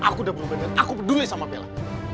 aku udah belum berubah aku peduli sama bella